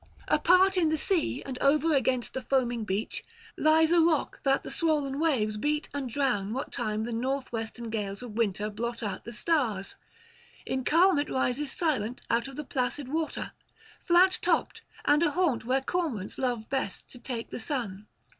Apart in the sea and over against the foaming beach, lies a rock that the swoln waves beat and drown what time the [127 159]north western gales of winter blot out the stars; in calm it rises silent out of the placid water, flat topped, and a haunt where cormorants love best to take the sun.